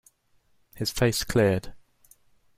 His face cleared.